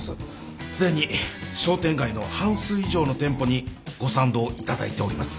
すでに商店街の半数以上の店舗にご賛同いただいております。